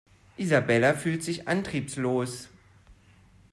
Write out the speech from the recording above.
Isabella fühlt sich antriebslos.